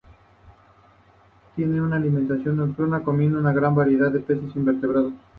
Tienen una alimentación nocturna, comiendo una gran variedad de peces e invertebrados.